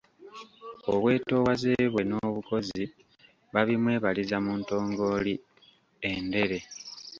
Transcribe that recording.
Obwetoowaze bwe n'obukozi babimwebaliza mu ntongooli, endere.